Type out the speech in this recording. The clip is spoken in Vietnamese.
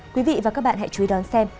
quý vị và các bạn hãy chú ý đón xem